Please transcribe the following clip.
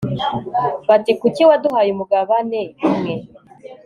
bati kuki waduhaye umugabane umwe